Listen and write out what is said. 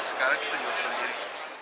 sekarang kita jual sendiri